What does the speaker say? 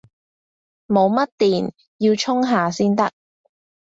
冇乜電，要充下先得